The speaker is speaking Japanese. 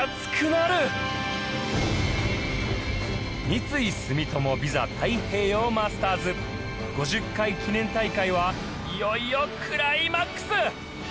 三井住友ＶＩＳＡ太平洋マスターズ５０回記念大会はいよいよクライマックス！